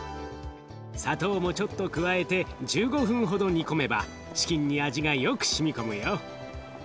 砂糖もちょっと加えて１５分ほど煮込めばチキンに味がよくしみ込むよ。